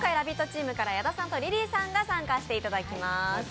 矢田さんとリリーさんが参加していただきます。